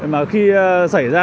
mà khi xảy ra